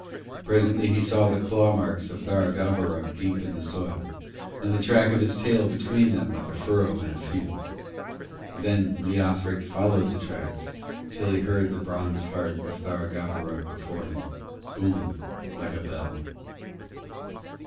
Presently he saw the claw marks of Tharagavverug deep in the soil, and the track of his tail between them like a furrow in a field. Then Leothric followed the tracks till he heard the bronze heart of Tharagavverug before him, booming like a bell.